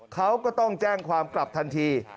เขาก็ต้องแจ้งความกลับทันที